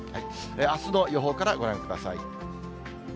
あすの予報からご覧ください。